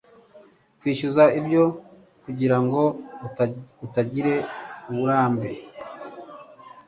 Kwishyuza ibyo kugirango utangire uburambe.